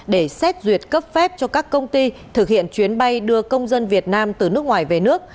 để xét duyệt cấp phép cho các công ty thực hiện chuyến bay đưa công dân việt nam từ nước ngoài về nước